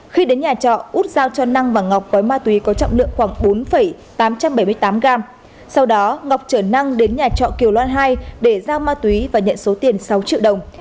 khi đến nhà trọ út giao cho năng và ngọc gói ma túy có trọng lượng khoảng bốn tám trăm bảy mươi tám gram sau đó ngọc trở năng đến nhà trọ kiều loan hai để giao ma túy và nhận số tiền sáu triệu đồng